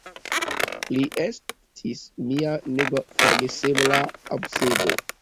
Li estis mia neforgesebla obsedo.